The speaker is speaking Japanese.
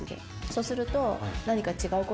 そうすると。